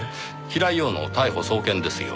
平井陽の逮捕送検ですよ。